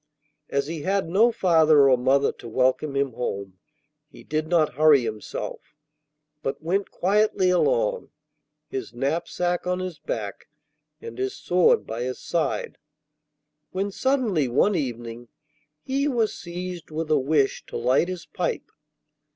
As he had no father or mother to welcome him home, he did not hurry himself, but went quietly along, his knapsack on his back and his sword by his side, when suddenly one evening he was seized with a wish to light his pipe.